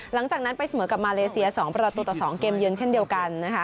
หลังจากนั้นไปเสมอกับมาเลเซีย๒ประตูต่อ๒เกมเยือนเช่นเดียวกันนะคะ